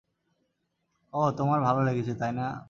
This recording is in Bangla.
ওহ, তোমার ভালো লেগেছে, তাই না?